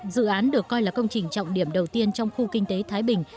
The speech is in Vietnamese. dự án được coi là công trình trọng điểm đầu tiên trong khu kinh tế thái bình